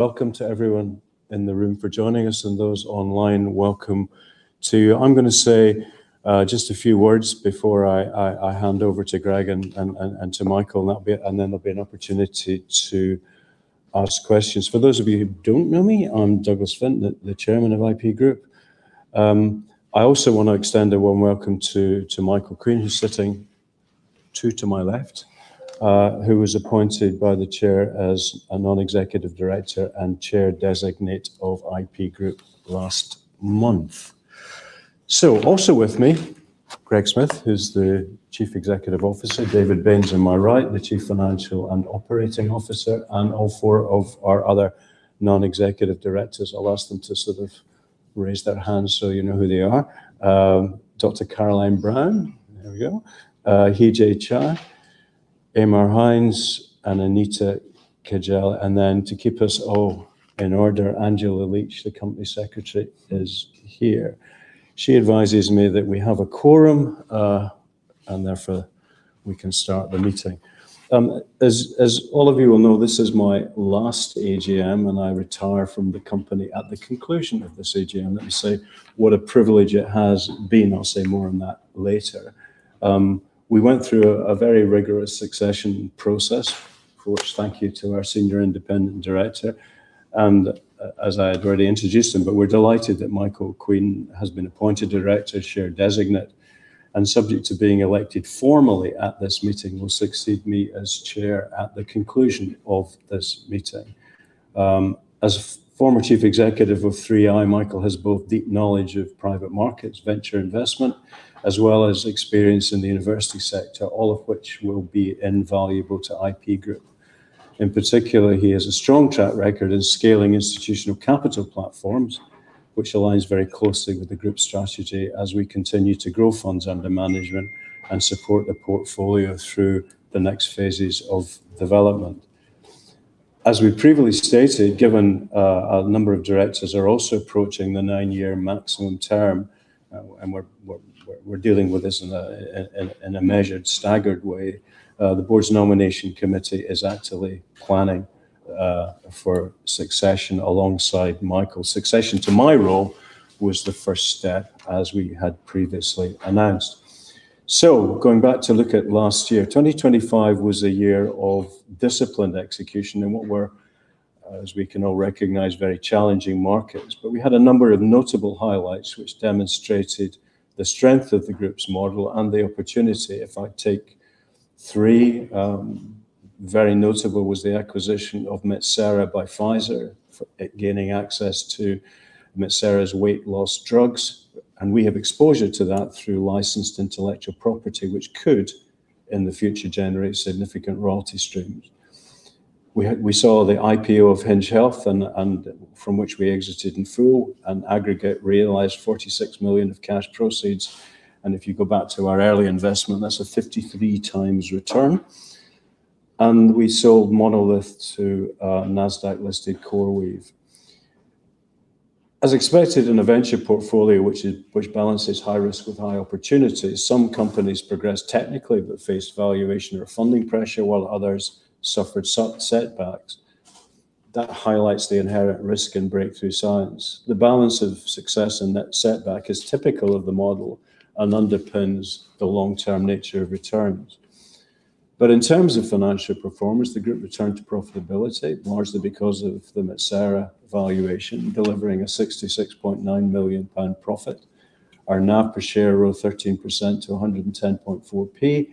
Welcome to everyone in the room for joining us and those online, welcome too. I'm going to say just a few words before I hand over to Greg and to Michael, and then there'll be an opportunity to ask questions. For those of you who don't know me, I'm Douglas Flint, the Chairman of IP Group. I also want to extend a warm welcome to Michael Queen, who's sitting two to my left, who was appointed by the Chair as a Non-executive Director and Chair Designate of IP Group last month. Also with me, Greg Smith, who's the Chief Executive Officer, David Baynes on my right, the Chief Financial and Operating Officer, and all four of our other Non-executive Directors. I'll ask them to sort of raise their hands so you know who they are. Dr. Caroline Brown, there we go. Heejae Chae, Aedhmar Hynes, and Anita Kidgell. Then to keep us all in order, Angela Leach, the Company Secretary is here. She advises me that we have a quorum, and therefore we can start the meeting. As all of you will know, this is my last AGM, and I retire from the company at the conclusion of this AGM. Let me say what a privilege it has been. I'll say more on that later. We went through a very rigorous succession process, for which thank you to our Senior Independent Director and as I had already introduced him, but we're delighted that Michael Queen has been appointed Director, Chair Designate, and subject to being elected formally at this meeting, will succeed me as Chair at the conclusion of this meeting. As former Chief Executive of 3i, Michael has both deep knowledge of private markets, venture investment, as well as experience in the university sector, all of which will be invaluable to IP Group. In particular, he has a strong track record in scaling institutional capital platforms, which aligns very closely with the Group's strategy as we continue to grow funds under management and support the portfolio through the next phases of development. As we've previously stated, given a number of Directors are also approaching the nine-year maximum term, and we're dealing with this in a measured, staggered way, the Board's Nomination Committee is actively planning for succession alongside Michael. Succession to my role was the first step as we had previously announced. Going back to look at last year, 2025 was a year of disciplined execution in what were, as we can all recognize, very challenging markets. We had a number of notable highlights, which demonstrated the strength of the Group's model and the opportunity. If I take three, very notable was the acquisition of Metsera by Pfizer for gaining access to Metsera's weight loss drugs, and we have exposure to that through licensed intellectual property, which could in the future generate significant royalty streams. We saw the IPO of Hinge Health and from which we exited in full and aggregate realized 46 million of cash proceeds, and if you go back to our early investment, that's a 53x return. We sold Monolith to NASDAQ-listed CoreWeave. As expected in a venture portfolio which balances high risk with high opportunity, some companies progress technically but face valuation or funding pressure, while others suffered setbacks. That highlights the inherent risk in breakthrough science. The balance of success and net setback is typical of the model and underpins the long-term nature of returns. In terms of financial performance, the group returned to profitability largely because of the Metsera valuation, delivering a 66.9 million pound profit. Our NAV per share rose 13% to 1.104,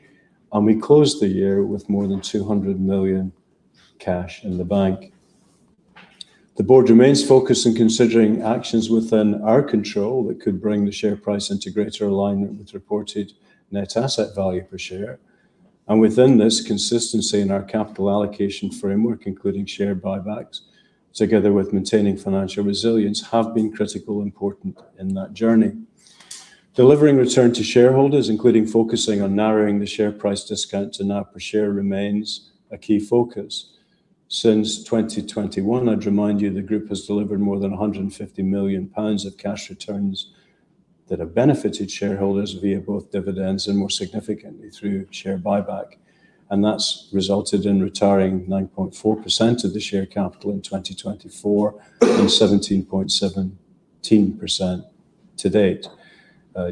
and we closed the year with more than 200 million cash in the bank. The Board remains focused on considering actions within our control that could bring the share price into greater alignment with reported net asset value per share. Within this, consistency in our capital allocation framework, including share buybacks, together with maintaining financial resilience, have been critically important in that journey. Delivering return to shareholders, including focusing on narrowing the share price discount to NAV per share remains a key focus. Since 2021, I'd remind you the group has delivered more than 150 million pounds of cash returns that have benefited shareholders via both dividends and, more significantly, through share buyback, and that's resulted in retiring 9.4% of the share capital in 2024 and 17.17% to-date.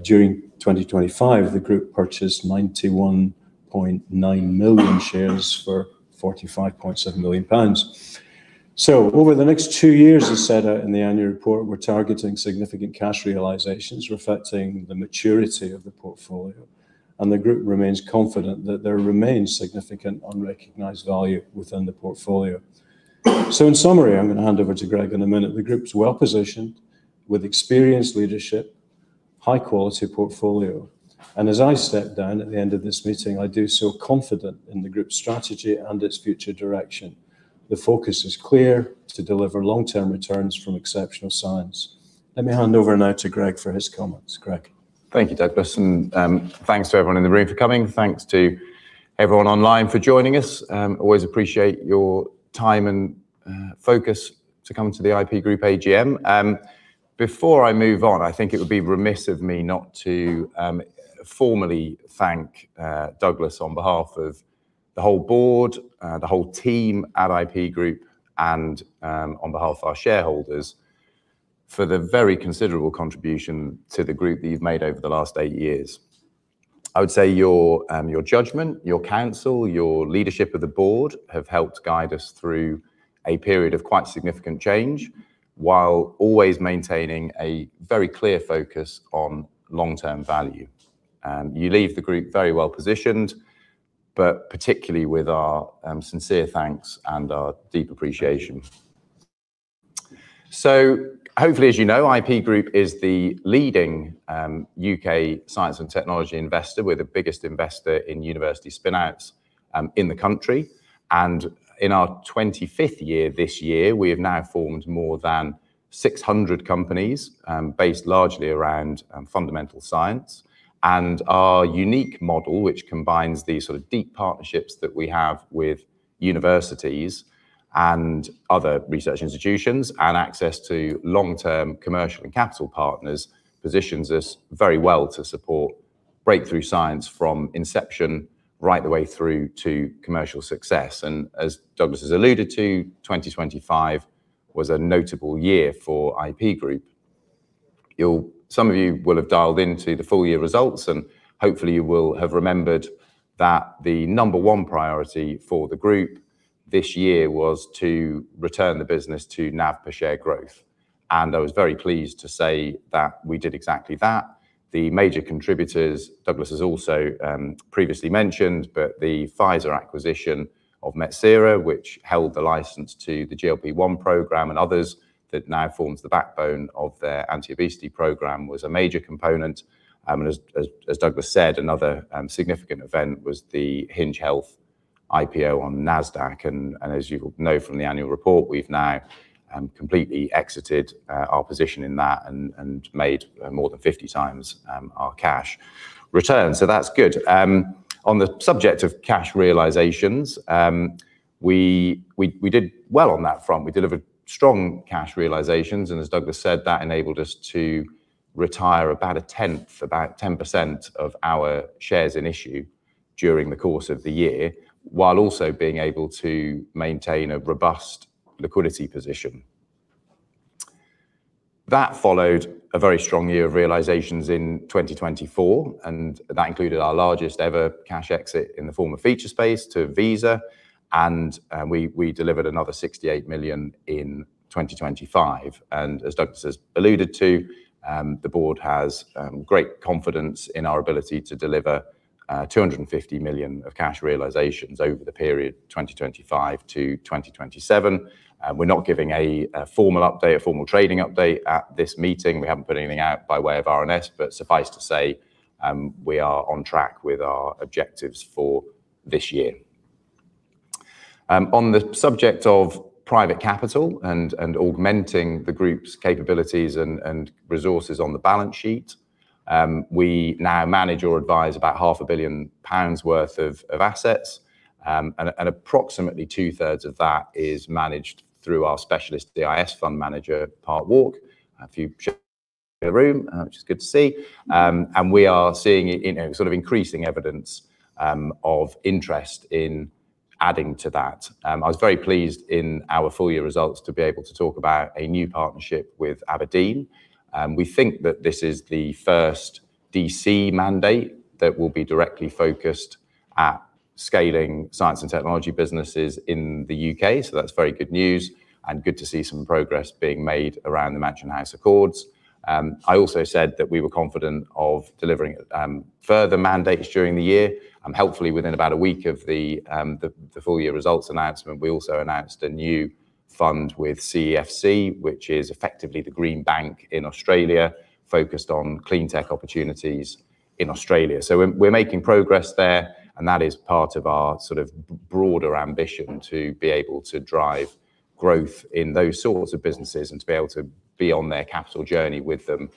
During 2025, the group purchased 91.9 million shares for 45.7 million pounds. Over the next two years, as set out in the annual report, we're targeting significant cash realizations reflecting the maturity of the portfolio, and the group remains confident that there remains significant unrecognized value within the portfolio. In summary, I'm going to hand over to Greg in a minute. The group's well-positioned with experienced leadership, high quality portfolio. As I step down at the end of this meeting, I do so confident in the group's strategy and its future direction. The focus is clear to deliver long-term returns from exceptional science. Let me hand over now to Greg for his comments. Greg? Thank you, Douglas, and thanks to everyone in the room for coming. Thanks to everyone online for joining us. Always appreciate your time and focus to come to the IP Group AGM. Before I move on, I think it would be remiss of me not to formally thank Douglas on behalf of the whole Board, the whole team at IP Group, and on behalf of our shareholders for the very considerable contribution to the group that you've made over the last eight years. I would say your judgment, your counsel, your leadership of the Board have helped guide us through a period of quite significant change, while always maintaining a very clear focus on long-term value. You leave the group very well-positioned, but particularly with our sincere thanks and our deep appreciation. Hopefully, as you know, IP Group is the leading U.K. science and technology investor. We're the biggest investor in university spin-outs in the country. In our 25th year this year, we have now formed more than 600 companies, based largely around fundamental science. Our unique model, which combines these sort of deep partnerships that we have with universities and other research institutions, and access to long-term commercial and capital partners, positions us very well to support breakthrough science from inception right the way through to commercial success. As Douglas has alluded to, 2025 was a notable year for IP Group. Some of you will have dialed into the full year results, hopefully you will have remembered that the number one priority for the group this year was to return the business to NAV per share growth. I was very pleased to say that we did exactly that. The major contributors, Douglas has also previously mentioned, the Pfizer acquisition of Metsera, which held the license to the GLP-1 program and others that now forms the backbone of their anti-obesity program, was a major component. As Douglas said, another significant event was the Hinge Health IPO on NASDAQ. As you know from the annual report, we've now completely exited our position in that and made more than 50x our cash return. That's good. On the subject of cash realizations, we did well on that front. We delivered strong cash realizations, as Douglas said, that enabled us to retire about a 10th, about 10% of our shares in issue during the course of the year, while also being able to maintain a robust liquidity position. That followed a very strong year of realizations in 2024, that included our largest ever cash exit in the form of Featurespace to Visa. We delivered another 68 million in 2025. As Douglas has alluded to, the Board has great confidence in our ability to deliver 250 million of cash realizations over the period 2025-2027. We're not giving a formal update, a formal trading update at this meeting. We haven't put anything out by way of RNS, suffice to say, we are on track with our objectives for this year. On the subject of private capital and augmenting the group's capabilities and resources on the balance sheet, we now manage or advise about 500 million pounds worth of assets, approximately two-thirds of that is managed through our specialist EIS fund manager, Parkwalk. A few in the room, which is good to see. We are seeing increasing evidence of interest in adding to that. I was very pleased in our full year results to be able to talk about a new partnership with Aberdeen. We think that this is the first DC mandate that will be directly focused at scaling science and technology businesses in the U.K.. That's very good news and good to see some progress being made around the Mansion House Accord. I also said that we were confident of delivering further mandates during the year. Helpfully, within about a week of the full-year results announcement, we also announced a new fund with CEFC, which is effectively the green bank in Australia, focused on clean tech opportunities in Australia. We're making progress there, and that is part of our sort of broader ambition to be able to drive growth in those sorts of businesses and to be able to be on their capital journey with them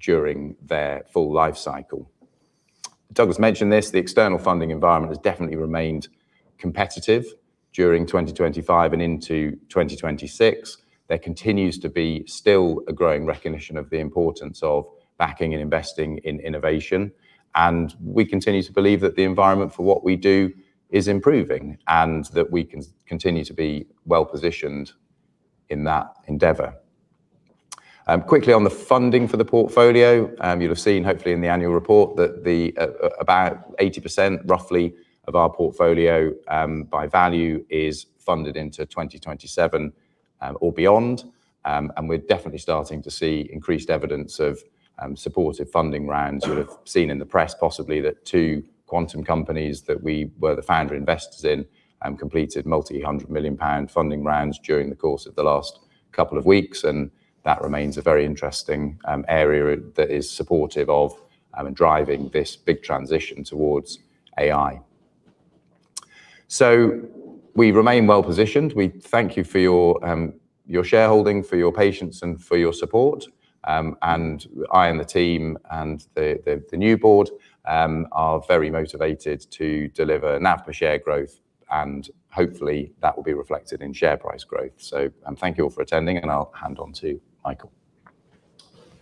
during their full life cycle. Douglas mentioned this, the external funding environment has definitely remained competitive during 2025 and into 2026. There continues to be still a growing recognition of the importance of backing and investing in innovation. We continue to believe that the environment for what we do is improving, and that we can continue to be well-positioned in that endeavor. Quickly on the funding for the portfolio, you'll have seen hopefully in the annual report that about 80%, roughly, of our portfolio, by value, is funded into 2027 or beyond. We're definitely starting to see increased evidence of supportive funding rounds. You'll have seen in the press, possibly, that two quantum companies that we were the founder investors in, completed multi-hundred-million-pound funding rounds during the course of the last couple of weeks. That remains a very interesting area that is supportive of and driving this big transition towards AI. We remain well-positioned. We thank you for your shareholding, for your patience and for your support. I and the team and the new Board are very motivated to deliver NAV per share growth and hopefully that will be reflected in share price growth. Thank you all for attending and I'll hand on to Michael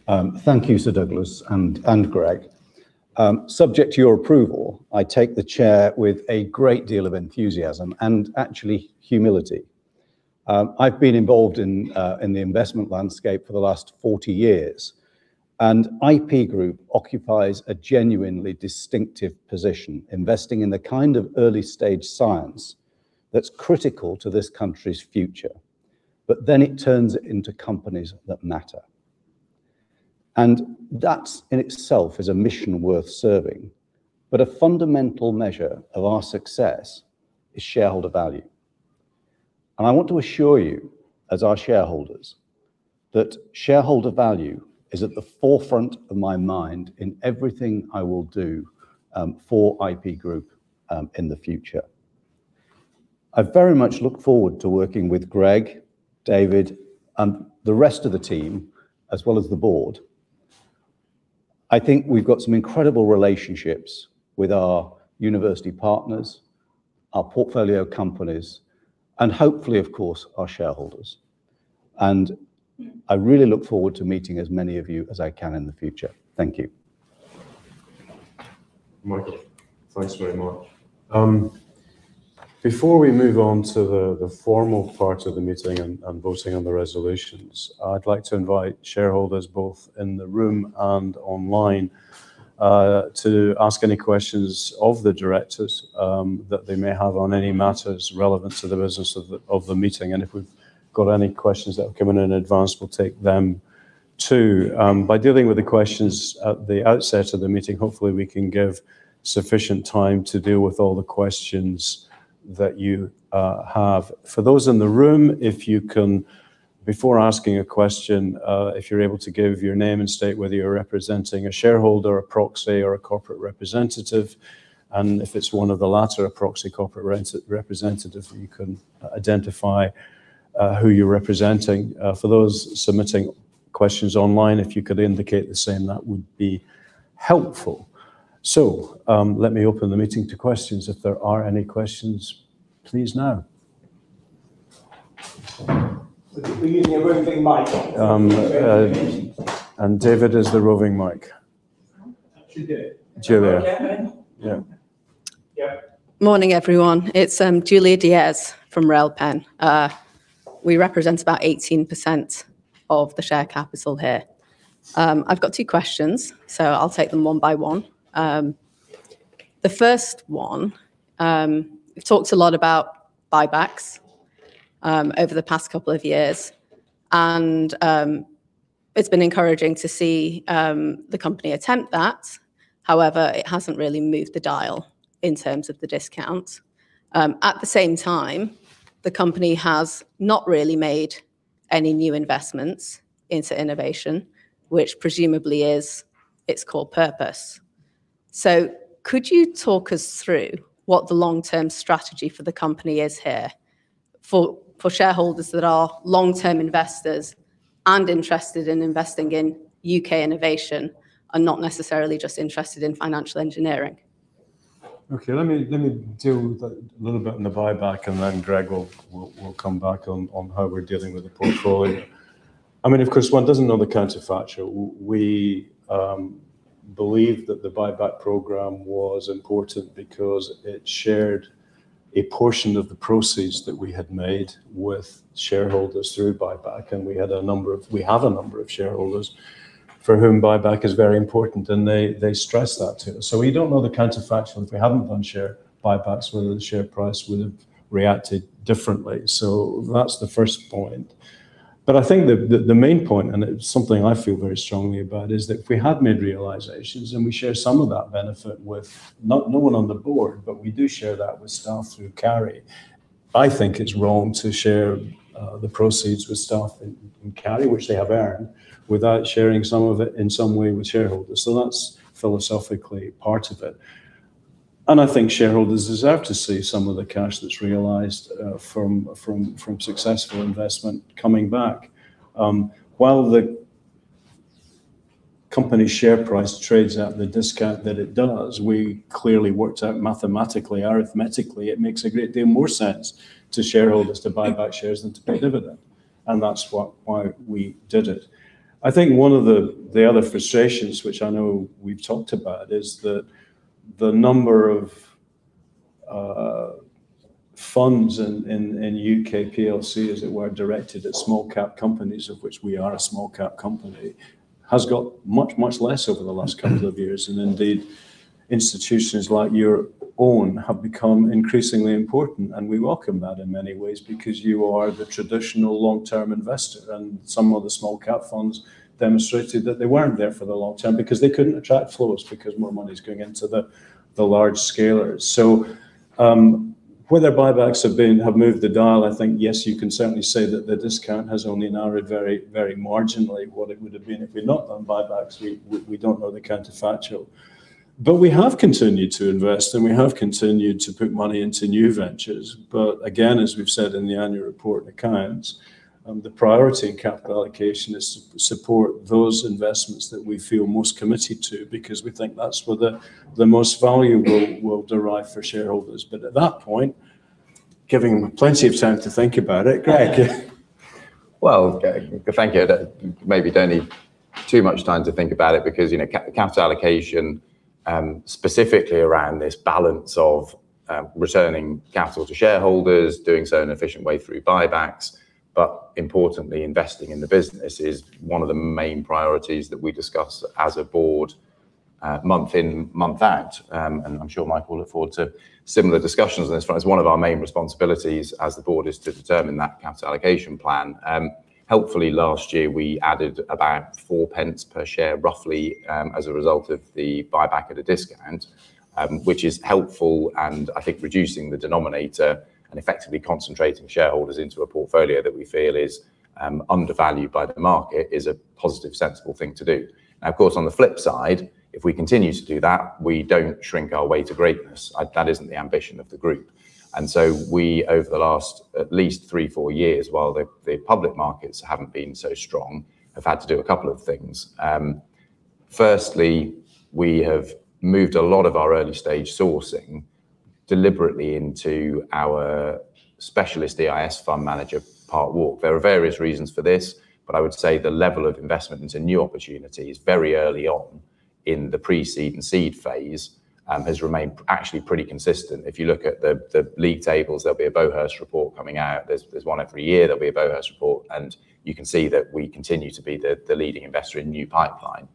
Queen. Thank you, Sir Douglas and Greg. Subject to your approval, I take the Chair with a great deal of enthusiasm and actually humility. I've been involved in the investment landscape for the last 40 years, and IP Group occupies a genuinely distinctive position, investing in the kind of early-stage science that's critical to this country's future. It turns it into companies that matter. That in itself is a mission worth serving. A fundamental measure of our success is shareholder value. I want to assure you, as our shareholders, that shareholder value is at the forefront of my mind in everything I will do for IP Group in the future. I very much look forward to working with Greg, David, and the rest of the team, as well as the Board. I think we've got some incredible relationships with our university partners, our portfolio companies, and hopefully, of course, our shareholders. I really look forward to meeting as many of you as I can in the future. Thank you. Michael, thanks very much. Before we move on to the formal part of the meeting and voting on the resolutions, I'd like to invite shareholders both in the room and online to ask any questions of the Directors that they may have on any matters relevant to the business of the meeting. If we've got any questions that have come in in advance, we'll take them, too. By dealing with the questions at the outset of the meeting, hopefully we can give sufficient time to deal with all the questions that you have. For those in the room, before asking a question, if you're able to give your name and state whether you're representing a shareholder, a proxy, or a corporate representative, if it's one of the latter, a proxy corporate representative, you can identify who you're representing. For those submitting questions online, if you could indicate the same, that would be helpful. Let me open the meeting to questions. If there are any questions, please now. We're using a roving mic. David is the roving mic. Julia. Julia. Yeah, man. Yeah. Morning, everyone. It's Julia Diez from Railpen. We represent about 18% of the share capital here. I've got two questions, so I'll take them one by one. The first one, we've talked a lot about buybacks over the past couple of years, and it's been encouraging to see the company attempt that. However, it hasn't really moved the dial in terms of the discount. At the same time, the company has not really made any new investments into innovation, which presumably is its core purpose. Could you talk us through what the long-term strategy for the company is here for shareholders that are long-term investors and interested in investing in U.K. innovation and not necessarily just interested in financial engineering? Okay. Let me deal with a little bit on the buyback, and then Greg will come back on how we're dealing with the portfolio. Of course, one doesn't know the counterfactual. We believe that the buyback program was important because it shared a portion of the proceeds that we had made with shareholders through buyback, and we have a number of shareholders for whom buyback is very important, and they stress that to us. We don't know the counterfactual, if we hadn't done share buybacks, whether the share price would have reacted differently. That's the first point. I think the main point, and it's something I feel very strongly about, is that we have made realizations and we share some of that benefit with no one on the Board, but we do share that with staff through carry. I think it's wrong to share the proceeds with staff in carry, which they have earned, without sharing some of it in some way with shareholders. That's philosophically part of it. I think shareholders deserve to see some of the cash that's realized from successful investment coming back. While the company's share price trades at the discount that it does, we clearly worked out mathematically, arithmetically, it makes a great deal more sense to shareholders to buy back shares than to pay dividend. That's why we did it. I think one of the other frustrations, which I know we've talked about, is that the number of funds in U.K. plc, as it were, directed at small-cap companies, of which we are a small-cap company, has got much, much less over the last couple of years, and indeed, institutions like your own have become increasingly important, and we welcome that in many ways because you are the traditional long-term investor, and some of the small-cap funds demonstrated that they weren't there for the long term because they couldn't attract flows because more money's going into the large-scalers. Whether buybacks have moved the dial, I think, yes, you can certainly say that the discount has only narrowed very marginally what it would have been if we'd not done buybacks. We don't know the counterfactual. We have continued to invest, and we have continued to put money into new ventures. Again, as we've said in the annual report and accounts, the priority in capital allocation is to support those investments that we feel most committed to because we think that's where the most value will derive for shareholders. At that point, giving plenty of time to think about it, Greg. Well, thank you. Maybe don't need too much time to think about it because capital allocation, specifically around this balance of returning capital to shareholders, doing so in an efficient way through buybacks, but importantly, investing in the business is one of the main priorities that we discuss as a board, month in, month out. I'm sure Michael will allude to similar discussions on this front. It's one of our main responsibilities as the board is to determine that capital allocation plan. Helpfully last year we added about 0.04 per share, roughly, as a result of the buyback at a discount, which is helpful and I think reducing the denominator and effectively concentrating shareholders into a portfolio that we feel is undervalued by the market is a positive, sensible thing to do. Of course, on the flip side, if we continue to do that, we don't shrink our way to greatness. That isn't the ambition of the group. We, over the last at least three, four years, while the public markets haven't been so strong, have had to do a couple of things. Firstly, we have moved a lot of our early-stage sourcing deliberately into our specialist EIS fund manager, Parkwalk. There are various reasons for this, but I would say the level of investment into new opportunities very early on in the pre-seed and seed phase, has remained actually pretty consistent. If you look at the league tables, there'll be a Beauhurst report coming out. There's one every year. There'll be a Beauhurst report, and you can see that we continue to be the leading investor in new pipeline.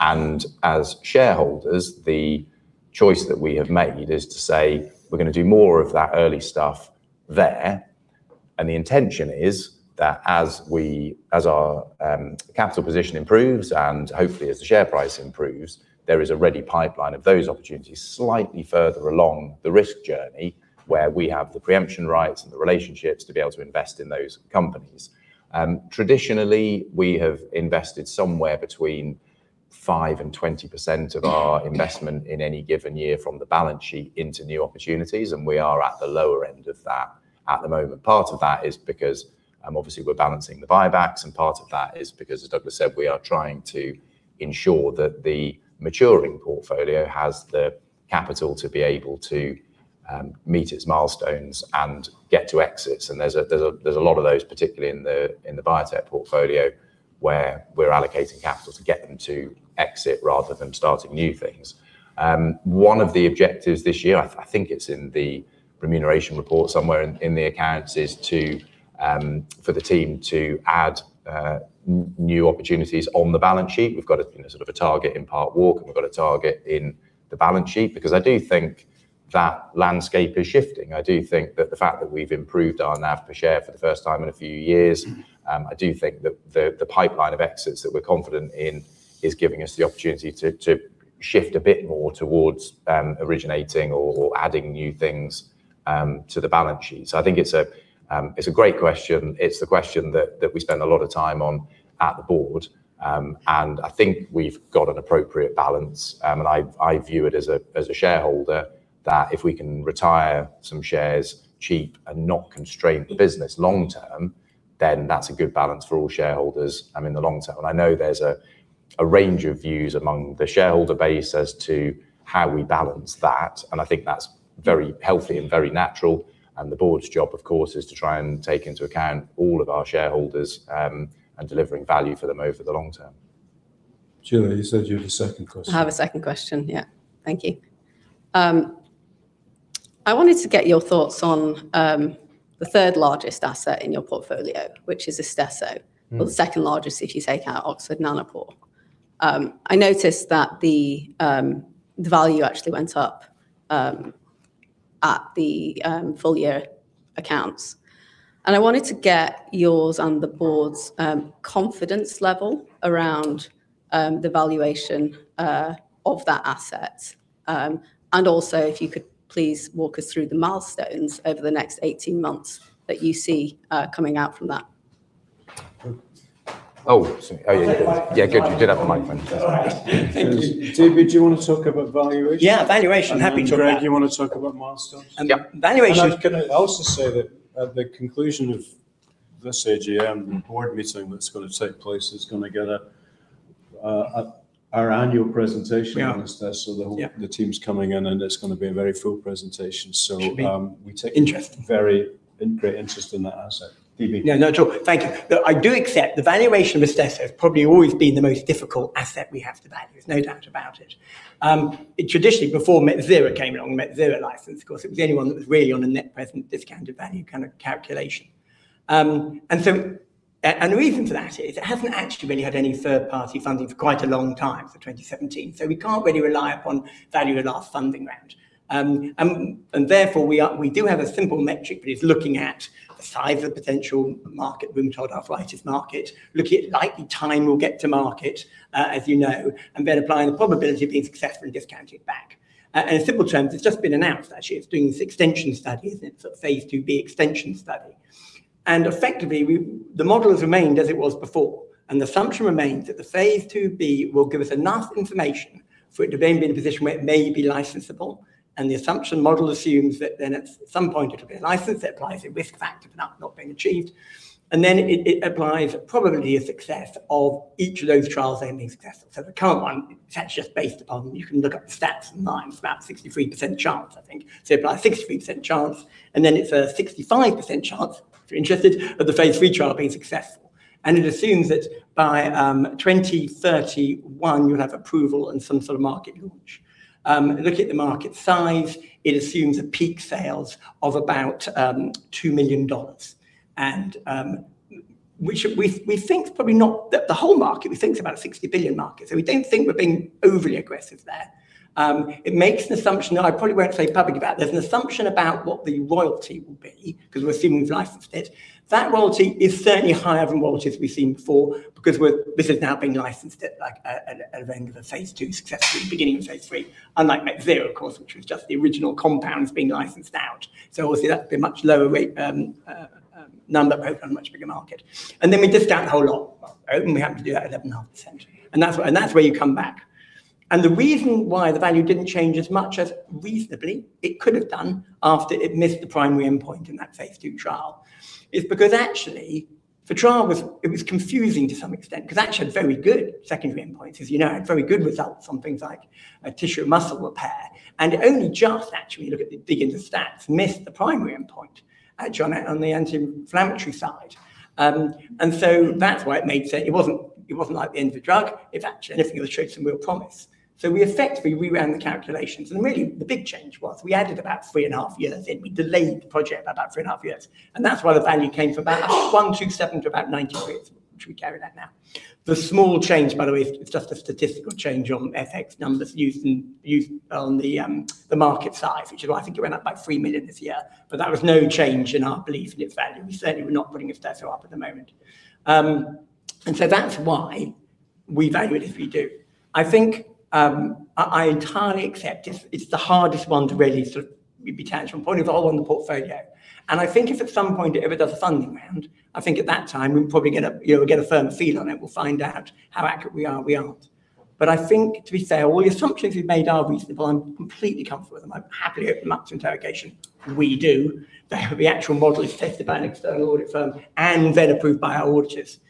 As shareholders, the choice that we have made is to say we're going to do more of that early stuff there. The intention is that as our capital position improves, and hopefully as the share price improves, there is a ready pipeline of those opportunities slightly further along the risk journey, where we have the preemption rights and the relationships to be able to invest in those companies. Traditionally, we have invested somewhere between 5% and 20% of our investment in any given year from the balance sheet into new opportunities, and we are at the lower end of that at the moment. Part of that is because, obviously we're balancing the buybacks, and part of that is because, as Douglas said, we are trying to ensure that the maturing portfolio has the capital to be able to meet its milestones and get to exits. There's a lot of those, particularly in the biotech portfolio where we're allocating capital to get them to exit rather than starting new things. One of the objectives this year, I think it's in the remuneration report somewhere in the accounts, is for the team to add new opportunities on the balance sheet. We've got a sort of a target in Parkwalk, and we've got a target in the balance sheet because I do think that landscape is shifting. I do think that the fact that we've improved our NAV per share for the first time in a few years, I do think that the pipeline of exits that we're confident in is giving us the opportunity to shift a bit more towards originating or adding new things to the balance sheet. I think it's a great question. It's the question that we spend a lot of time on at the Board. I think we've got an appropriate balance. I view it as a shareholder that if we can retire some shares cheap and not constrain the business long term, then that's a good balance for all shareholders in the long term. I know there's a range of views among the shareholder base as to how we balance that, and I think that's very healthy and very natural, and the Board's job, of course, is to try and take into account all of our shareholders, and delivering value for them over the long term. Julia, you said you had a second question. I have a second question, yeah. Thank you. I wanted to get your thoughts on the third-largest asset in your portfolio, which is Istesso. The second-largest if you take out Oxford Nanopore. I noticed that the value actually went up at the full-year accounts. I wanted to get yours and the board's confidence level around the valuation of that asset. Also if you could please walk us through the milestones over the next 18 months that you see coming out from that. Oh, sorry. Oh yeah. Yeah. Good, you did have a microphone. All right. Thank you. David do you want to talk about valuation? Yeah, valuation. Happy to do that. Then Greg, you want to talk about milestones? Yep. Valuation. Can I also say that at the conclusion of this AGM, the Board meeting that's going to take place is going to get our annual presentation on Istesso. Yeah. The whole team's coming in, and it's going to be a very full presentation. Should be interesting. We take very interest in that asset, David? Yeah, no, sure. Thank you. Look, I do accept the valuation of Istesso has probably always been the most difficult asset we have to value. There's no doubt about it. Traditionally, before Metsera came along, Metsera license, of course, it was the only one that was really on a net present discounted value kind of calculation. The reason for that is it hasn't actually really had any third-party funding for quite a long time, for 2017. We can't really rely upon value of our last funding round. Therefore, we do have a simple metric that is looking at the size of potential market, total addressable market, looking at likely time we'll get to market, as you know, and then applying the probability of being successfully discounted back. In simple terms, it's just been announced actually. It's doing this extension study, isn't it? Phase II-B extension study. Effectively, the model has remained as it was before, and the assumption remains that the phase II-B will give us enough information for it to then be in a position where it may be licensable. The assumption model assumes that then at some point it will get a license. It applies a risk factor for that not being achieved. Then it applies probably a success of each of those trials then being successful. The current one, that's just based upon, you can look up the stats online, it's about a 63% chance, I think. It applies a 63% chance, and then it's a 65% chance, if you're interested, of the phase III trial being successful. It assumes that by 2031, you'll have approval and some sort of market launch. Looking at the market size, it assumes a peak sales of about $2 billion. We think it's probably not the whole market. We think it's about a 60 billion market. We don't think we're being overly aggressive there. It makes an assumption that I probably won't say publicly about. There's an assumption about what the royalty will be because we're assuming we've licensed it. That royalty is certainly higher than royalties we've seen before because this has now been licensed at like at a regular phase II success through the beginning of phase III. Unlike [MEC-0], of course, which was just the original compounds being licensed out. Obviously that would be much lower rate, number but hopefully on a much bigger market. Then we discount the whole lot. Hopefully we happen to do that at 11.5%. That's where you come back. The reason why the value didn't change as much as reasonably it could have done after it missed the primary endpoint in that phase II trial is because actually the trial it was confusing to some extent because it actually had very good secondary endpoints. As you know, it had very good results on things like tissue and muscle repair. It only just actually, look at the dig into stats, missed the primary endpoint, Julia, on the anti-inflammatory side. That's why it made sense. It wasn't like the end of the drug. It's actually anything but the truth and we'll promise. We effectively reran the calculations, and really the big change was we added about three and a half years in. We delayed the project by about three and a half years. That's why the value came from about 127 to about 93, which we carry that now. The small change, by the way, it's just a statistical change on FX numbers used on the market size, which is why I think it went up by 3 million this year. That was no change in our belief in its value. Certainly, we're not putting Istesso up at the moment. That's why we value it as we do. I think, I entirely accept it's the hardest one to really sort of detach from a point of view of the whole on the portfolio. I think if at some point it ever does a funding round, I think at that time we'll probably get a firm feel on it. We'll find out how accurate we are or we aren't. I think to be fair, all the assumptions we've made are reasonable. I'm completely comfortable with them. I'm happy to open them up to interrogation. We do. The actual model is tested by an external audit firm and then approved by our auditors.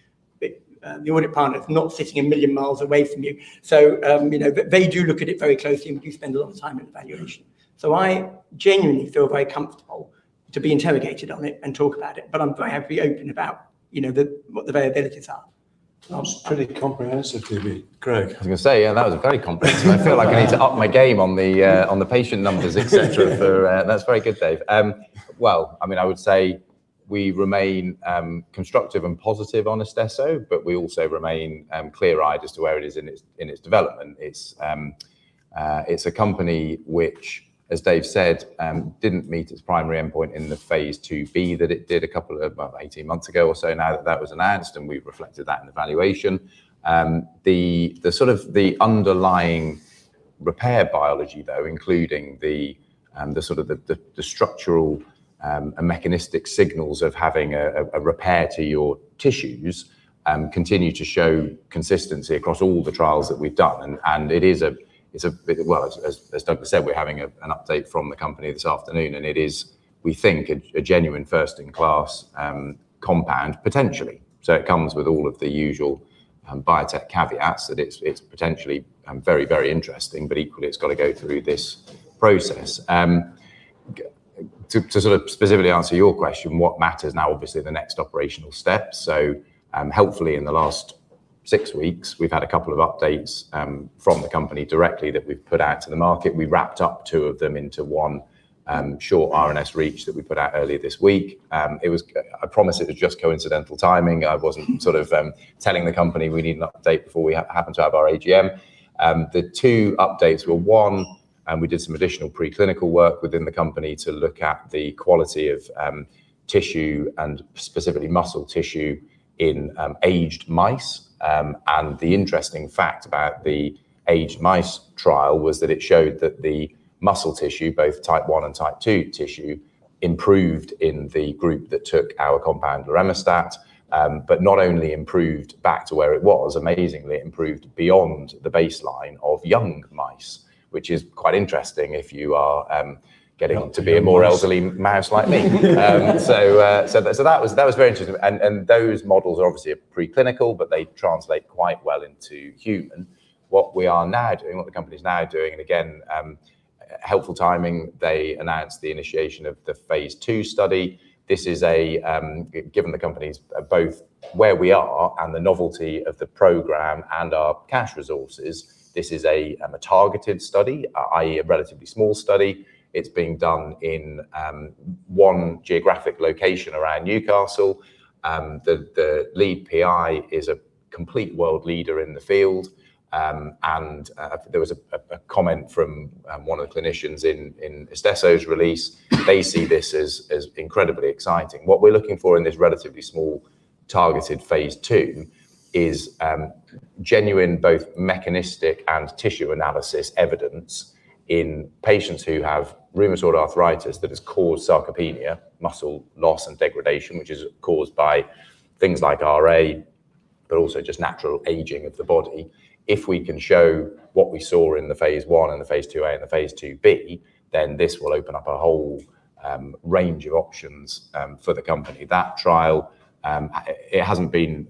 The audit partner is not sitting a million miles away from you. They do look at it very closely, and we do spend a lot of time in valuation. I genuinely feel very comfortable to be interrogated on it and talk about it, but I'm very happy open about what the variabilities are. That was pretty comprehensive to me. Greg? I was going to say, that was very comprehensive. I feel like I need to up my game on the patient numbers, et cetera for, that's very good, Dave. I would say we remain constructive and positive on Istesso, but we also remain clear-eyed as to where it is in its development. It's a company which, as Dave said, didn't meet its primary endpoint in the phase II-B that it did about 18 months ago or so. Now that that was announced, and we've reflected that in the valuation. The sort of underlying repair biology, though, including the sort of structural, mechanistic signals of having a repair to your tissues, continue to show consistency across all the trials that we've done. And it is a, well, as Douglas said, we're having an update from the company this afternoon, and it is, we think, a genuine first-in-class compound, potentially. It comes with all of the usual biotech caveats that it's potentially very interesting, but equally, it's got to go through this process. To sort of specifically answer your question, what matters now? Obviously, the next operational steps. Helpfully, in the last six weeks, we've had a couple of updates from the company directly that we've put out to the market. We wrapped up two of them into one short RNS Reach that we put out earlier this week. I promise it was just coincidental timing. I wasn't sort of telling the company we need an update before we happen to have our AGM. The two updates were, one, we did some additional preclinical work within the company to look at the quality of tissue and specifically muscle tissue in aged mice. The interesting fact about the aged mice trial was that it showed that the muscle tissue, both Type 1 and Type 2 tissue, improved in the group that took our compound, leramistat. Not only improved back to where it was, amazingly, it improved beyond the baseline of young mice, which is quite interesting if you are getting to be a more elderly mouse like me. That was very interesting. Those models are obviously a preclinical, but they translate quite well into human. What we are now doing, what the company's now doing, again, helpful timing, they announced the initiation of the phase II study. Given the company's both where we are and the novelty of the program and our cash resources, this is a targeted study, i.e., a relatively small study. It's being done in one geographic location around Newcastle. The lead PI is a complete world leader in the field. There was a comment from one of the clinicians in Istesso's release. They see this as incredibly exciting. What we're looking for in this relatively small targeted phase II is genuine, both mechanistic and tissue analysis evidence in patients who have rheumatoid arthritis that has caused sarcopenia, muscle loss and degradation, which is caused by things like RA, but also just natural aging of the body. If we can show what we saw in the phase I and the phase II-A and the phase II-B, then this will open up a whole range of options for the company. That trial, it hasn't been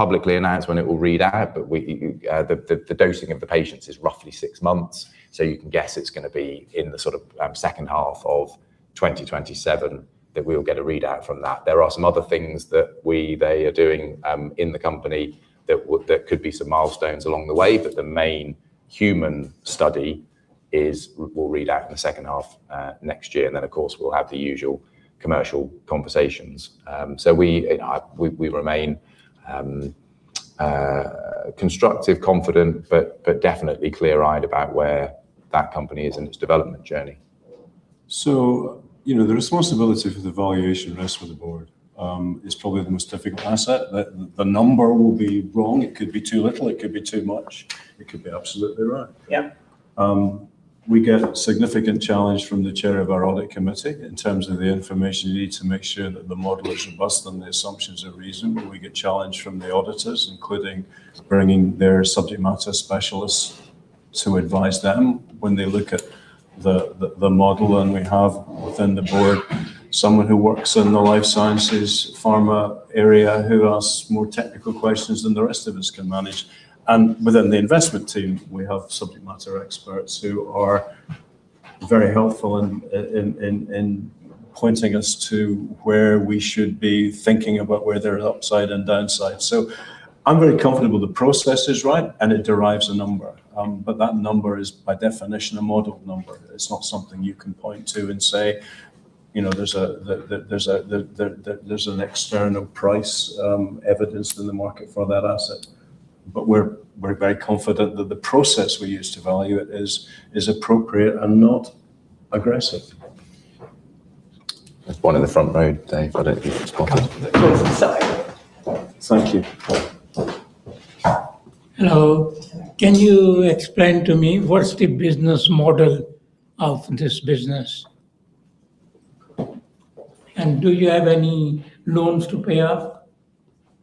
publicly announced when it will read out, but the dosing of the patients is roughly six months, so you can guess it's going to be in the second half of 2027 that we'll get a readout from that. There are some other things that they are doing in the company that could be some milestones along the way, but the main human study will read out in the second half next year. Then, of course, we'll have the usual commercial conversations. We remain constructive, confident, but definitely clear-eyed about where that company is in its development journey. The responsibility for the valuation rests with the Board. It's probably the most difficult asset. The number will be wrong. It could be too little, it could be too much, it could be absolutely right. Yeah. We get significant challenge from the Chair of our audit committee in terms of the information you need to make sure that the model is robust and the assumptions are reasonable. We get challenged from the auditors, including bringing their subject matter specialists to advise them when they look at the model, and we have within the board, someone who works in the life sciences pharma area, who asks more technical questions than the rest of us can manage. Within the investment team, we have subject matter experts who are very helpful in pointing us to where we should be thinking about where there is upside and downside. I'm very comfortable the process is right and it derives a number. That number is by definition a model number. It's not something you can point to and say, there's an external price evidenced in the market for that asset. We're very confident that the process we use to value it is appropriate and not aggressive. There's one in the front row, Dave. I don't think it's gone. Sorry. Thank you. Hello. Can you explain to me what's the business model of this business? Do you have any loans to pay off?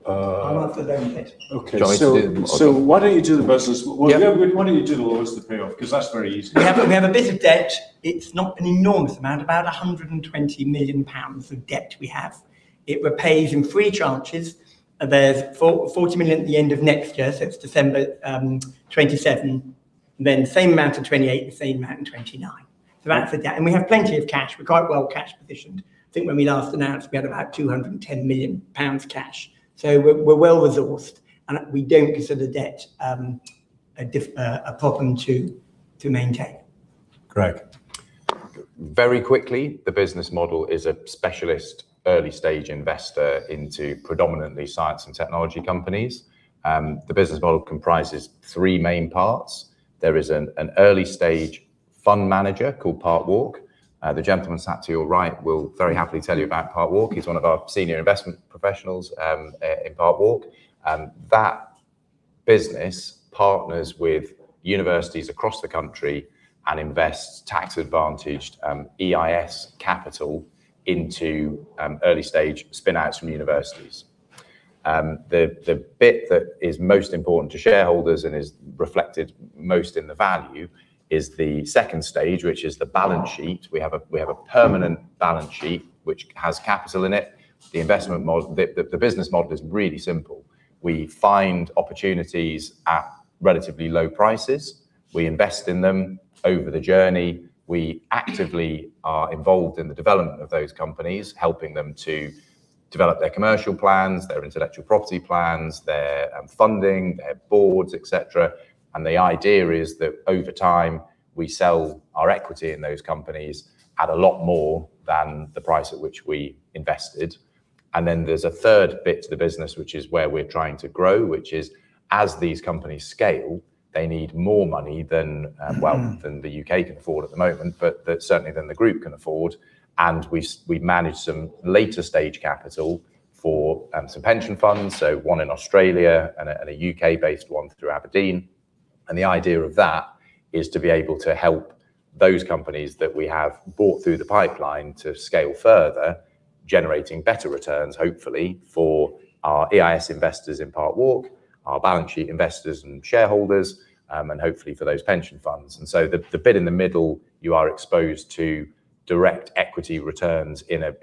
I'll answer the loan bit. Okay. Why don't you do the business model? Why don't you do the loans to pay off? That's very easy. We have a bit of debt. It's not an enormous amount, about 120 million pounds of debt we have. It repays in three tranches. There's 40 million at the end of next year, so it's December 2027, then same amount in 2028, the same amount in 2029. That's the debt. We have plenty of cash. We're quite well cash positioned. I think when we last announced, we had about 210 million pounds cash. We're well-resourced, and we don't consider debt a problem to maintain. Greg. Very quickly, the business model is a specialist early-stage investor into predominantly science and technology companies. The business model comprises three main parts. There is an early-stage fund manager called Parkwalk. The gentleman sat to your right will very happily tell you about Parkwalk. He is one of our senior investment professionals in Parkwalk. That business partners with universities across the country and invests tax-advantaged EIS capital into early-stage spin-outs from universities. The bit that is most important to shareholders and is reflected most in the value is the second stage, which is the balance sheet. We have a permanent balance sheet, which has capital in it. The business model is really simple. We find opportunities at relatively low prices. We invest in them over the journey. We actively are involved in the development of those companies, helping them to develop their commercial plans, their intellectual property plans, their funding, their Boards, et cetera. The idea is that over time, we sell our equity in those companies at a lot more than the price at which we invested. Then there is a third bit to the business, which is where we are trying to grow, which is as these companies scale, they need more money than, well, than the U.K. can afford at the moment, but certainly than the group can afford. We manage some later-stage capital for some pension funds, so one in Australia and a U.K.-based one through Aberdeen. The idea of that is to be able to help those companies that we have brought through the pipeline to scale further, generating better returns, hopefully, for our EIS investors in Parkwalk, our balance sheet investors and shareholders, and hopefully for those pension funds. So the bit in the middle, you are exposed to direct equity returns in a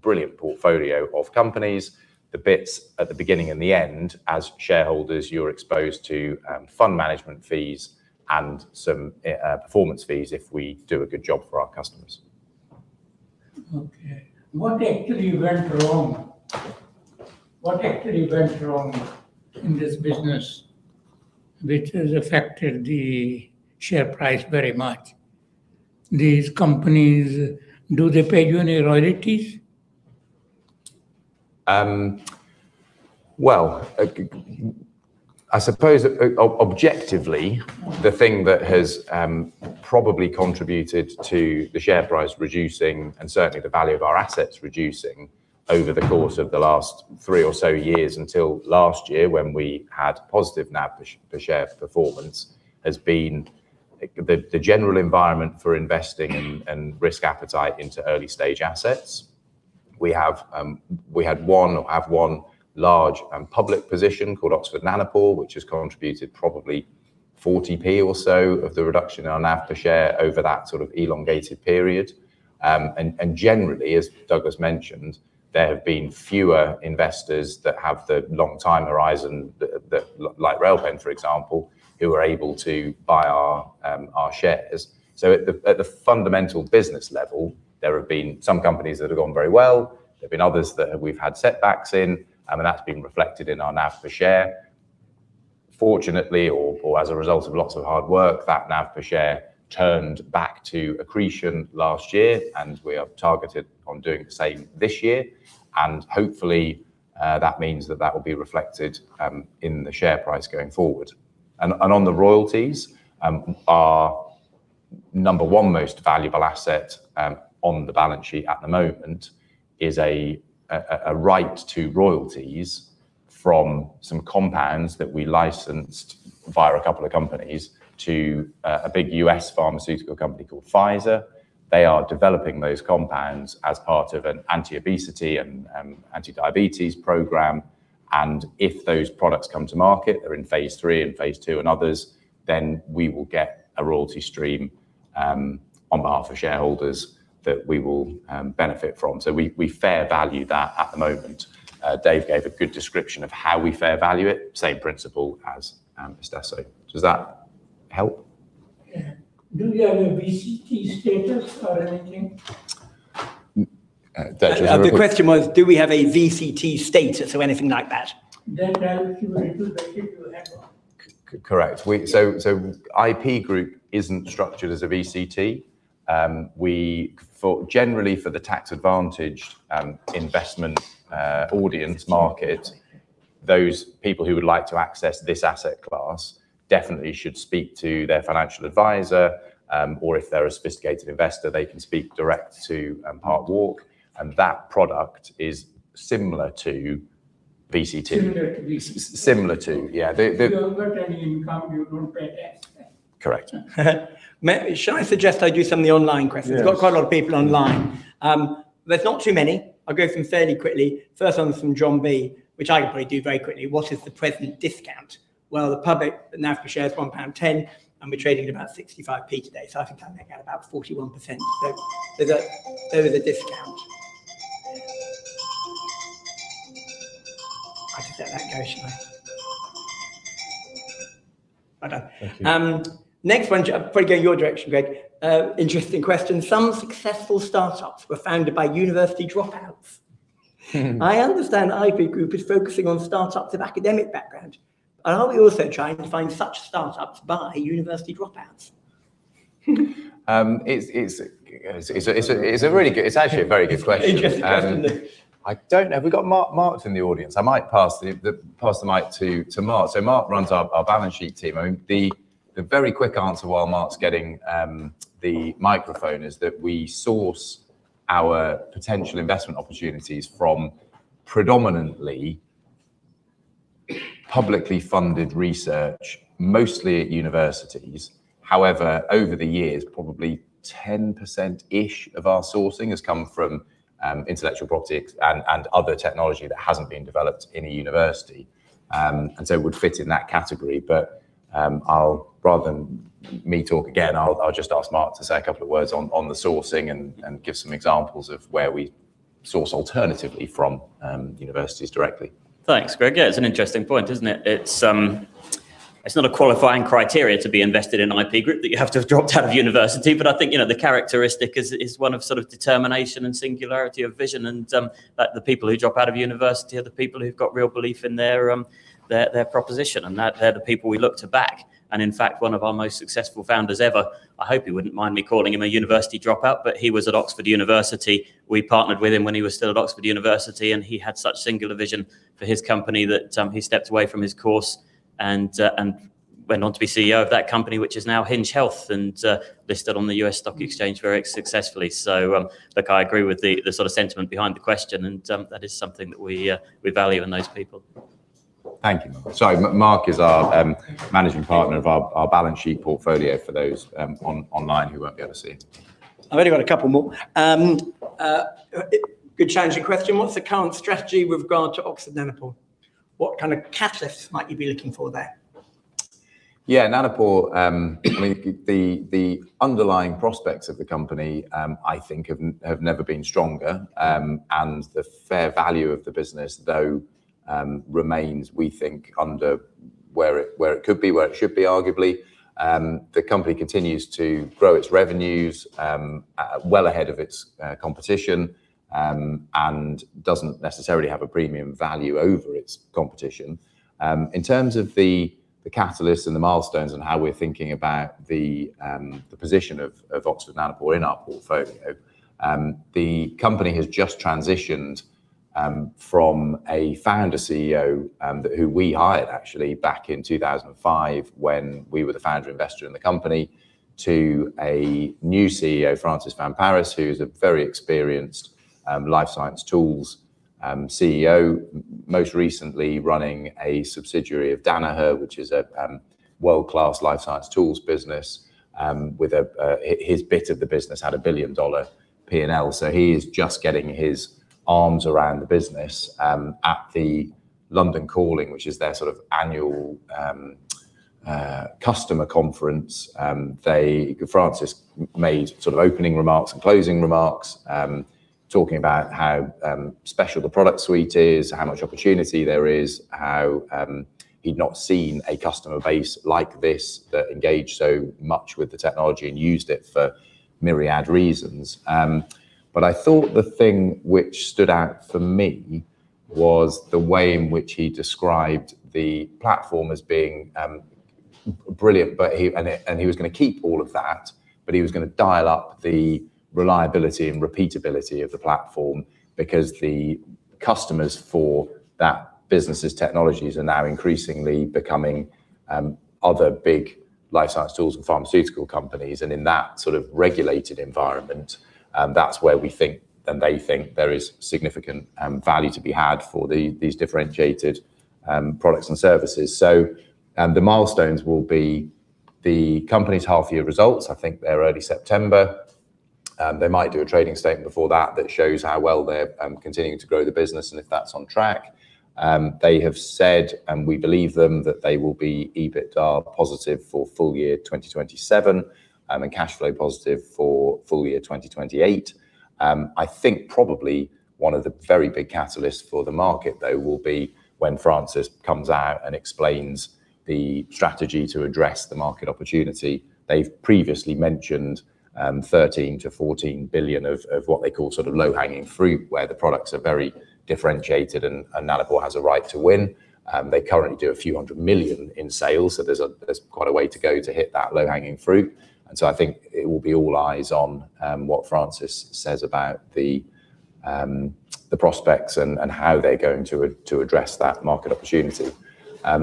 brilliant portfolio of companies. The bits at the beginning and the end, as shareholders, you are exposed to fund management fees and some performance fees if we do a good job for our customers. Okay. What actually went wrong? What actually went wrong in this business which has affected the share price very much? These companies, do they pay you any royalties? Well, I suppose objectively, the thing that has probably contributed to the share price reducing, certainly the value of our assets reducing over the course of the last three or so years, until last year when we had positive NAV per share performance, has been the general environment for investing in and risk appetite into early-stage assets. We have one large and public position called Oxford Nanopore, which has contributed probably 0.40 or so of the reduction in our NAV per share over that sort of elongated period. Generally, as Douglas mentioned, there have been fewer investors that have the long time horizon, like Railpen, for example, who are able to buy our shares. At the fundamental business level, there have been some companies that have gone very well. There have been others that we've had setbacks in, and that's been reflected in our NAV per share. Fortunately, or as a result of lots of hard work, that NAV per share turned back to accretion last year, we are targeted on doing the same this year. Hopefully, that means that that will be reflected in the share price going forward. On the royalties, our number one most valuable asset on the balance sheet at the moment is a right to royalties from some compounds that we licensed via a couple of companies to a big U.S. pharmaceutical company called Pfizer. They are developing those compounds as part of an anti-obesity and anti-diabetes program. If those products come to market, they're in phase III and phase II and others, then we will get a royalty stream on behalf of shareholders that we will benefit from. We fair value that at the moment. Dave gave a good description of how we fair value it, same principle as Istesso. Does that help? Yeah. Do we have a VCT status or anything? [Dave], The question was, do we have a VCT status or anything like that? That value is a little better to have. Correct. IP Group isn't structured as a VCT. Generally, for the tax-advantaged investment audience market, those people who would like to access this asset class definitely should speak to their financial advisor. Or if they're a sophisticated investor, they can speak direct to Parkwalk, and that product is similar to VCT. Similar to, yeah. If you don't get any income, you don't pay tax then. Correct. Shall I suggest I do some of the online questions? Yes. We've got quite a lot of people online. There's not too many. I'll go through them fairly quickly. First one's from John B, which I can probably do very quickly. What is the present discount? Well, the public NAV per share is 1.10 pound, and we're trading at about 0.65 today, so I think I can make out about 41%. There is a discount. I should let that go, shouldn't I? I know. Thank you. Next one should probably go your direction, Greg. Interesting question. Some successful startups were founded by university dropouts. I understand IP Group is focusing on startups of academic background. Are we also trying to find such startups by university dropouts? It's actually a very good question. Interesting question. Mark in the audience? I might pass the mic to Mark. Mark runs our balance sheet team. The very quick answer while Mark's getting the microphone is that we source our potential investment opportunities from predominantly publicly funded research, mostly at universities. However, over the years, probably 10%ish of our sourcing has come from intellectual property and other technology that hasn't been developed in a university. It would fit in that category. Rather than me talk again, I'll just ask Mark to say a couple of words on the sourcing and give some examples of where we source alternatively from universities directly. Thanks, Greg. It's an interesting point, isn't it? It's not a qualifying criteria to be invested in IP Group that you have to have dropped out of university. I think the characteristic is one of sort of determination and singularity of vision, and that the people who drop out of university are the people who've got real belief in their proposition, and they're the people we look to back. In fact, one of our most successful founders ever, I hope he wouldn't mind me calling him a university dropout, but he was at Oxford University. We partnered with him when he was still at Oxford University, and he had such singular vision for his company that he stepped away from his course and went on to be CEO of that company, which is now Hinge Health and listed on the U.S. Stock Exchange very successfully. Look, I agree with the sort of sentiment behind the question, and that is something that we value in those people. Thank you. Sorry, Mark is our Managing Partner of our balance sheet portfolio for those online who won't be able to see it. I've only got a couple more. Good challenging question. What's the current strategy with regard to Oxford Nanopore? What kind of catalyst might you be looking for there? Yeah, Nanopore. The underlying prospects of the company, I think, have never been stronger. The fair value of the business, though, remains, we think, under where it could be, where it should be, arguably. The company continues to grow its revenues well ahead of its competition, doesn't necessarily have a premium value over its competition. In terms of the catalysts and the milestones and how we're thinking about the position of Oxford Nanopore in our portfolio, the company has just transitioned from a founder-CEO who we hired actually back in 2005 when we were the founder investor in the company, to a new CEO, Francis Van Parys, who's a very experienced life science tools CEO, most recently running a subsidiary of Danaher, which is a world-class life science tools business. His bit of the business had a billion-dollar P&L, he is just getting his arms around the business. At the London Calling, which is their annual customer conference, Francis made opening remarks and closing remarks, talking about how special the product suite is, how much opportunity there is, how he'd not seen a customer base like this that engaged so much with the technology and used it for myriad reasons. I thought the thing which stood out for me was the way in which he described the platform as being brilliant, he was going to keep all of that, he was going to dial up the reliability and repeatability of the platform because the customers for that business' technologies are now increasingly becoming other big life science tools and pharmaceutical companies. In that sort of regulated environment, that's where we think, and they think, there is significant value to be had for these differentiated products and services. The milestones will be the company's half-year results. I think they're early September. They might do a trading statement before that shows how well they're continuing to grow the business and if that's on track. They have said, and we believe them, that they will be EBITDA positive for full-year 2027, and cash flow positive for full-year 2028. I think probably one of the very big catalysts for the market, though, will be when Francis comes out and explains the strategy to address the market opportunity. They've previously mentioned 13 billion to 14 billion of what they call low-hanging fruit, where the products are very differentiated and Nanopore has a right to win. They currently do a few hundred million in sales, there's quite a way to go to hit that low-hanging fruit. I think it will be all eyes on what Francis says about the prospects and how they're going to address that market opportunity.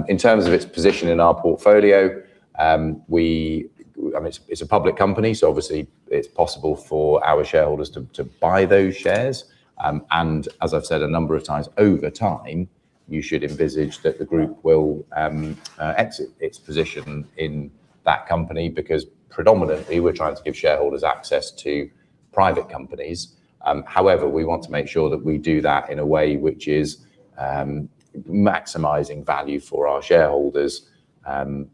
In terms of its position in our portfolio, it's a public company, obviously it's possible for our shareholders to buy those shares. As I've said a number of times, over time, you should envisage that the group will exit its position in that company because predominantly we're trying to give shareholders access to private companies. However, we want to make sure that we do that in a way which is maximizing value for our shareholders,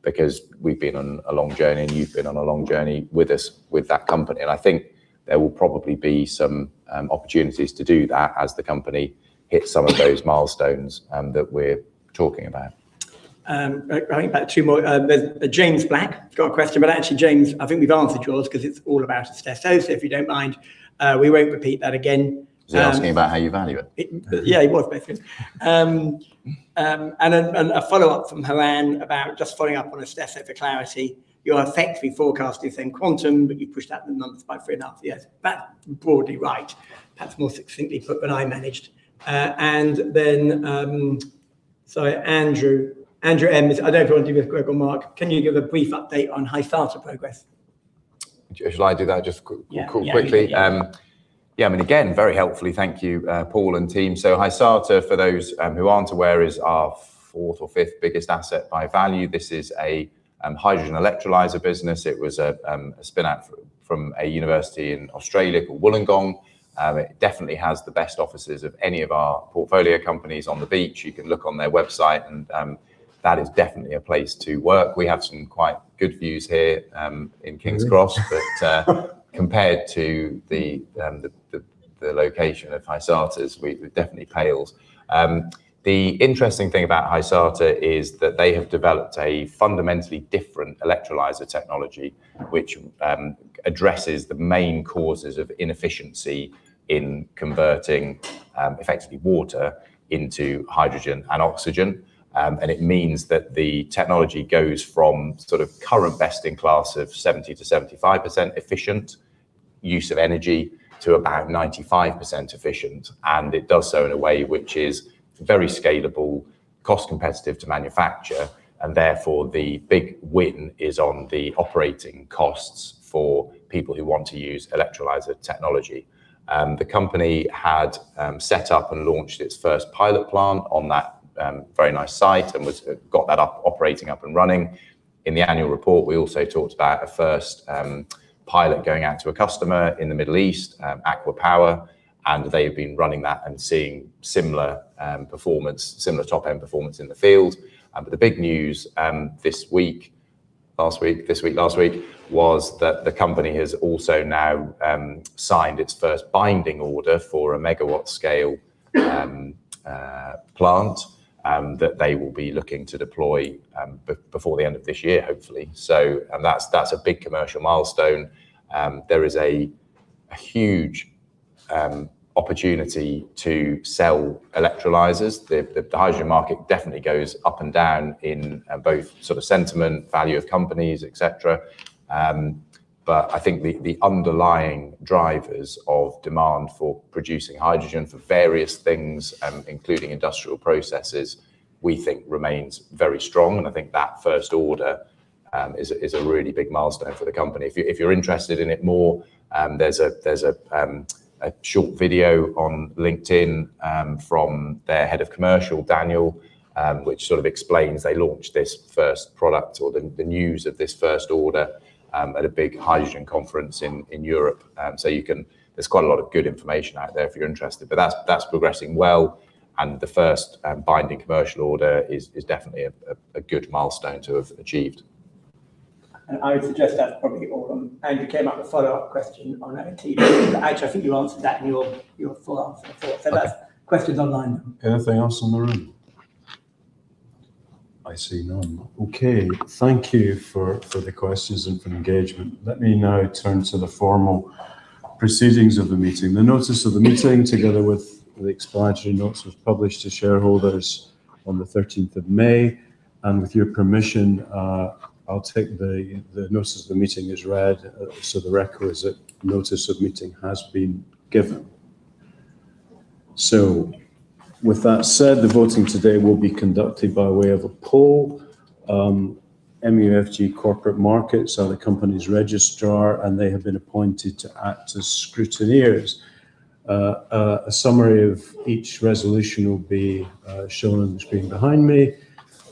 because we've been on a long journey, and you've been on a long journey with us, with that company. I think there will probably be some opportunities to do that as the company hits some of those milestones that we're talking about. Right. I think about two more. James Black got a question, actually, James, I think we've answered yours because it's all about Istesso. If you don't mind, we won't repeat that again. Was he asking about how you value it? Yeah, he was basically. A follow-up from Helen about just following up on Istesso for clarity. You're effectively forecasting same quantum, but you've pushed out the month by three and a half years. That's broadly right. Perhaps more succinctly put than I managed. Sorry, Andrew M., I don't know if you want to do this Greg or Mark. Can you give a brief update on Hysata progress? Shall I do that just? Yeah Quickly? Again, very helpfully, thank you, Paul and team. Hysata, for those who aren't aware, is our fourth or fifth biggest asset by value. This is a hydrogen electrolyzer business. It was a spin-out from a university in Australia called Wollongong. It definitely has the best offices of any of our portfolio companies on the beach. You can look on their website, and that is definitely a place to work. We have some quite good views here in King's Cross. Compared to the location of Hysata's, it definitely pales. The interesting thing about Hysata is that they have developed a fundamentally different electrolyzer technology, which addresses the main causes of inefficiency in converting effectively water into hydrogen and oxygen. It means that the technology goes from current best-in-class of 70%-75% efficient use of energy to about 95% efficient, and it does so in a way which is very scalable, cost competitive to manufacture, and therefore the big win is on the operating costs for people who want to use electrolyzer technology. The company had set up and launched its first pilot plant on that very nice site and got that up operating up and running. In the annual report, we also talked about a first pilot going out to a customer in the Middle East, ACWA Power, and they've been running that and seeing similar top-end performance in the field. The big news this week, last week, was that the company has also now signed its first binding order for a megawatt-scale plant that they will be looking to deploy before the end of this year, hopefully. That's a big commercial milestone. A huge opportunity to sell electrolysers. The hydrogen market definitely goes up and down in both sentiment, value of companies, et cetera. I think the underlying drivers of demand for producing hydrogen for various things, including industrial processes, we think remains very strong. I think that first order is a really big milestone for the company. If you're interested in it more, there's a short video on LinkedIn from their Head of Commercial, Daniel, which sort of explains they launched this first product or the news of this first order at a big hydrogen conference in Europe. There's quite a lot of good information out there if you're interested. That's progressing well, and the first binding commercial order is definitely a good milestone to have achieved. I would suggest that's probably all of them. Andrew came up with a follow-up question on that 1T. Actually, I think you answered that in your full answer. Okay. That's questions online. Anything else from the room? I see none. Okay. Thank you for the questions and for engagement. Let me now turn to the formal proceedings of the meeting. The notice of the meeting, together with the explanatory notes, was published to shareholders on the 13th of May. With your permission, I'll take the notice of the meeting as read, the requisite notice of meeting has been given. With that said, the voting today will be conducted by way of a poll. MUFG Corporate Markets are the company's registrar, and they have been appointed to act as scrutineers. A summary of each resolution will be shown on the screen behind me.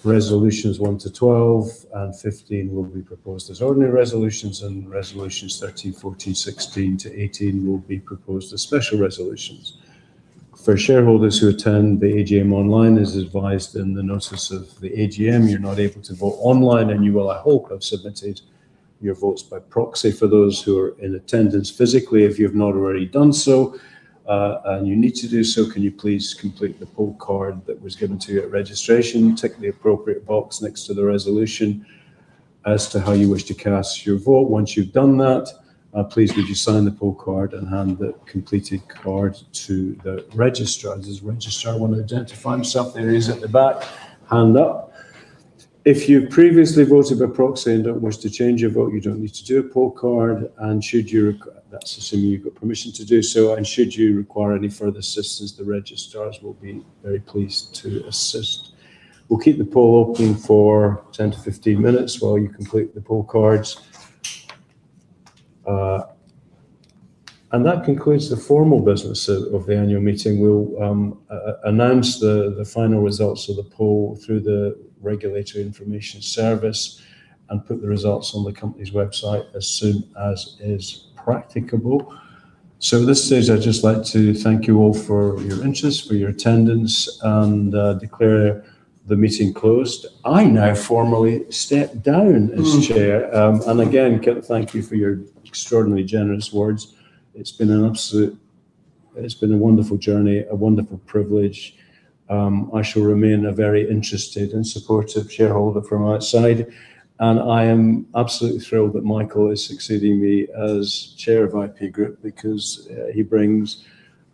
Resolutions 1 to 12 and 15 will be proposed as ordinary resolutions, and resolutions 13, 14, 16 to 18 will be proposed as special resolutions. For shareholders who attend the AGM online, as advised in the notice of the AGM, you're not able to vote online, and you will, I hope, have submitted your votes by proxy. For those who are in attendance physically, if you have not already done so, and you need to do so, can you please complete the poll card that was given to you at registration? Tick the appropriate box next to the resolution as to how you wish to cast your vote. Once you've done that, please would you sign the poll card and hand the completed card to the registrars. Does the registrar want to identify himself? There he is at the back. Hand up. If you previously voted by proxy and don't wish to change your vote, you don't need to do a poll card, that's assuming you've got permission to do so, and should you require any further assistance, the registrars will be very pleased to assist. We'll keep the poll open for 10 to 15 minutes while you complete the poll cards. That concludes the formal business of the Annual Meeting. We'll announce the final results of the poll through the Regulatory Information Service and put the results on the company's website as soon as is practicable. At this stage, I'd just like to thank you all for your interest, for your attendance, and declare the meeting closed. I now formally step down as Chair. Again, thank you for your extraordinarily generous words. It's been a wonderful journey, a wonderful privilege. I shall remain a very interested and supportive shareholder from outside. I am absolutely thrilled that Michael is succeeding me as Chair of IP Group because he brings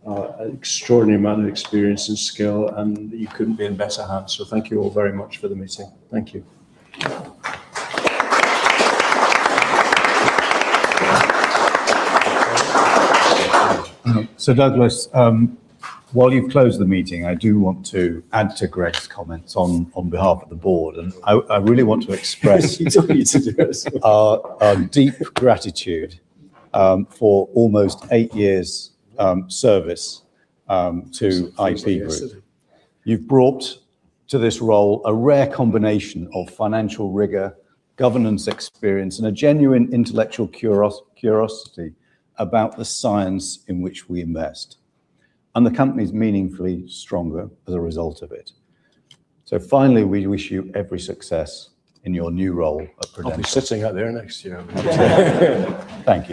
an extraordinary amount of experience and skill. You couldn't be in better hands. Thank you all very much for the meeting. Thank you. Douglas, while you close the meeting, I do want to add to Greg's comments on behalf of the Board. I really want to express He told me to do this Our deep gratitude for almost eight years service to IP Group. You've brought to this role a rare combination of financial rigor, governance experience, and a genuine intellectual curiosity about the science in which we invest. The company's meaningfully stronger as a result of it. Finally, we wish you every success in your new role of Prudential. I'll be sitting out there next year. Thank you.